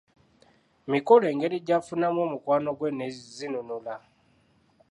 Mikolo engeri gy’afunamu omukwano gwe ne Zinunula.